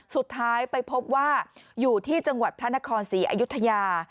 สุดท้ายไปพบว่าอยู่ที่จังหวัดพระนครศรีอยุธยา